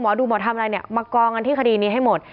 ดูหมอทำอะไรเนี่ยมากองกันที่คดีนี้ให้หมด